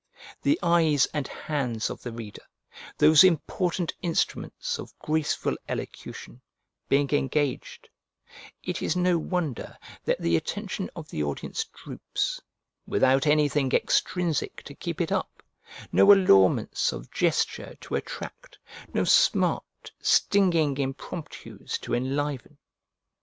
The eyes and hands of the reader, those important instruments of graceful elocution, being engaged, it is no wonder that the attention of the audience droops, without anything extrinsic to keep it up, no allurements of gesture to attract, no smart, stinging impromptus to enliven.